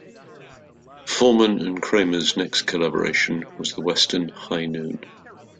Foreman and Kramer's next collaboration was the Western, "High Noon".